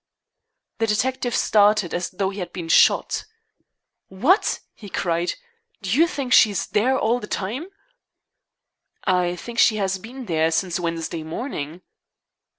The detective started as though he had been shot. "What!" he cried, "you think she is there all the time?" "I think she has been there since Wednesday morning."